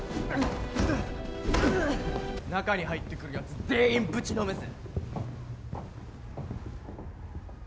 中に入って来るヤツ全員ぶちのめせ。